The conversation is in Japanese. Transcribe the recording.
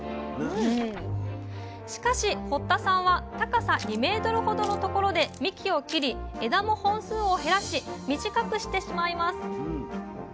しかし堀田さんは高さ２ｍほどのところで幹を切り枝も本数を減らし短くしてしまいます。